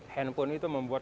handphone itu membuat